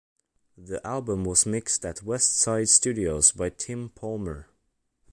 The album was mixed at Westside Studios by Tim Palmer.